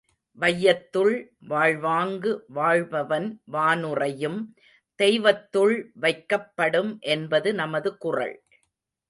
வையத்துள் வாழ்வாங்கு வாழ்பவன் வானுறையும் தெய்வத்துள் வைக்கப் படும் என்பது நமது குறள்.